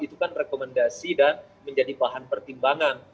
itu kan rekomendasi dan menjadi bahan pertimbangan